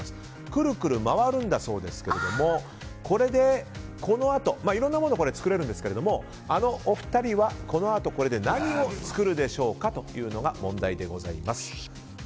くるくる回るんだそうですけれどもいろんなものがこれで作れるんですがあのお二人はこのあとこれで何を作るでしょうかというのが問題でございます。